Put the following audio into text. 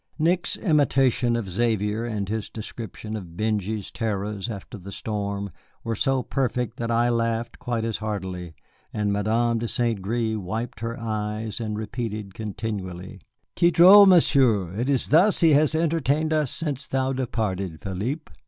Nick's imitation of Xavier, and his description of Benjy's terrors after the storm, were so perfect that I laughed quite as heartily; and Madame de St. Gré wiped her eyes and repeated continually, "Quel drôle monsieur! it is thus he has entertained us since thou departed, Philippe."